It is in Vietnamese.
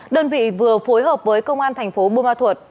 đơn vị vừa phối hợp với công an thành phố bô ma thuật